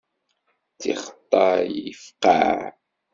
D tixeṭṭay i ifeqqeε.